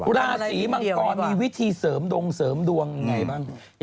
ราศีมังกรมีวิธีเสริมดงเสริมดวงยังไงบ้าง